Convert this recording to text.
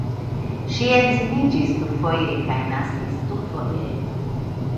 Ŝi edziniĝis dufoje kaj naskis dufoje.